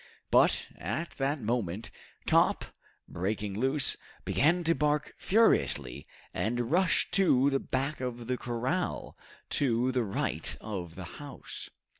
But, at that moment, Top, breaking loose, began to bark furiously and rush to the back of the corral, to the right of the house.